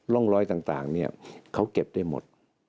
ร่องรอยต่างเนี่ยเขาเก็บได้หมด